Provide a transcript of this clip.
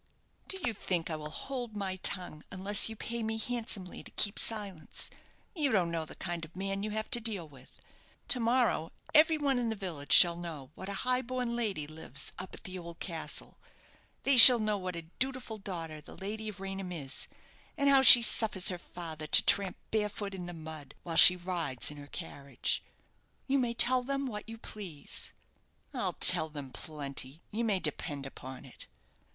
Do you think I will hold my tongue unless you pay me handsomely to keep silence? You don't know the kind of man you have to deal with. To morrow every one in the village shall know what a high born lady lives up at the old castle they shall know what a dutiful daughter the lady of Raynham is, and how she suffers her father to tramp barefoot in the mud, while she rides in her carriage!" "You may tell them what you please." "I'll tell them plenty, you may depend upon it."